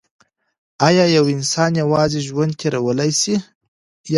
ایا یو انسان یوازي ژوند تیرولای سي؟